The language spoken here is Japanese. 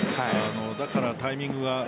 だからタイミングが。